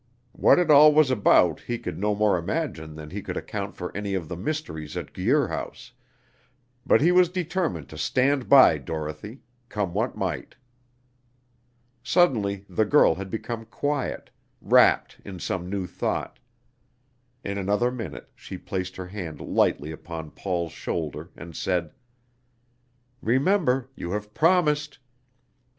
What it all was about he could no more imagine than he could account for any of the mysteries at Guir House; but he was determined to stand by Dorothy, come what might. Suddenly the girl had become quiet, rapt in some new thought. In another minute she placed her hand lightly upon Paul's shoulder, and said: "Remember, you have promised!"